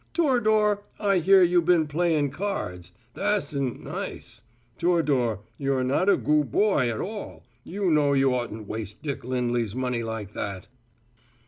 Tor'dor, I hear you been playing cards. Tha's sn't nice. Tor'dor, you're not a goo' boy at all you know you oughtn't waste Dick Lindley's money like that!"